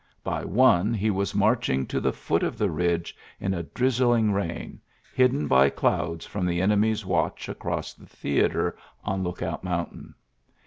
By one, he was inarching to the foot of the ridge in a drizzling rain, hidden by clouds from the enemy's watch across the theatre on Lookout Mountain.